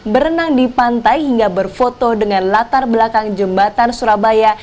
berenang di pantai hingga berfoto dengan latar belakang jembatan surabaya